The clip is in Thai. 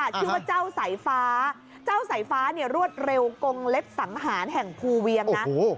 ชื่อว่าเจ้าสายฟ้าเจ้าสายฟ้าเนี่ยรวดเร็วกงเล็บสังหารแห่งภูเวียงนะ